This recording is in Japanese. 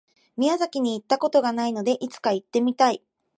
宮崎に行った事がないので、いつか行ってみたい。